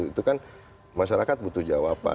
itu kan masyarakat butuh jawaban